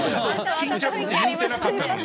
巾着って言うてなかった。